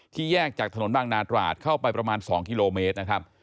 แยกจากถนนบางนาตราดเข้าไปประมาณ๒กิโลเมตรนะครับ